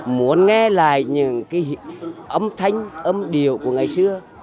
muốn nghe lại những cái âm thanh âm điệu của ngày xưa